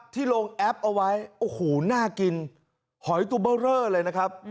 ที่ลงแอปเอาไว้โอ้โหน่ากินหอยตุเบอร์เรอเลยนะครับ